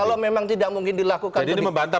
kalau memang tidak mungkin dilakukan jadi ini membantah